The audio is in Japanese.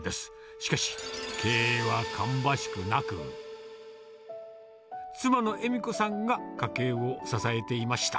しかし、経営は芳しくなく、妻の笑子さんが家計を支えていました。